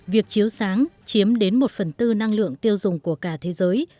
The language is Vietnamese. việc chiếu sáng chiếm đến một phần tư năng lượng tiêu dùng của cả thế giới